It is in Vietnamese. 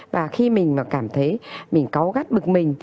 và khi mình mà cảm thấy mình có gắt bực mình